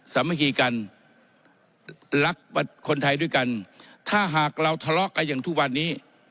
สามัคคีกันรักคนไทยด้วยกันถ้าหากเราทะเลาะกันอย่างทุกวันนี้